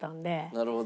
なるほど。